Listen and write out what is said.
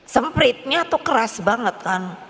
sempritnya tuh keras banget kan